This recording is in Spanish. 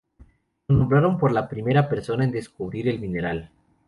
Lo nombraron por la primera persona en describir el mineral.